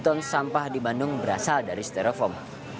dua tujuh ton sampah di bandung berasal dari steroform